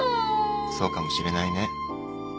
そうかもしれないね。